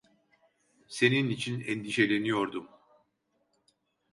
Senin için endişeleniyordum.